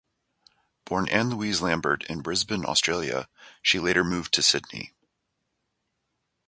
Born Anne Louise Lambert in Brisbane, Australia she later moved to Sydney.